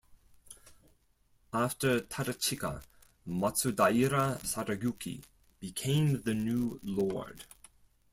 After Tadachika, Matsudaira Sadayuki became the new lord.